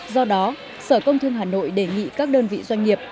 do đó sở công thương hà nội đề nghị các đơn vị doanh nghiệp